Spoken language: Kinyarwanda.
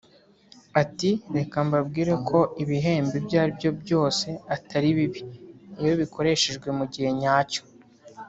Ati “Reka mbabwire ko ibihembo ibyo ari byo byose atari bibi iyo bikoreshejwe mu gihe nyacyo